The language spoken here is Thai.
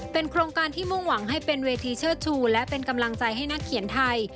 เป็นโครงการที่มุ่งหวังให้เป็นเวทีเชิดชูและเป็นกำลังใจให้นักเขียนไทย